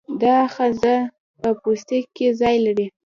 دا آخذه په پوستکي کې ځای لري.